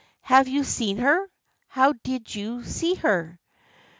" Have you seen her ? How did you see her?